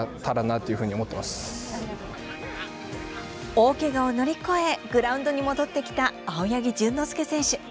大けがを乗り越えグラウンドに戻ってきた青柳潤之介選手。